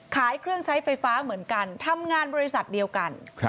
ขายเครื่องใช้ไฟฟ้าเหมือนกันทำงานบริษัทเดียวกัน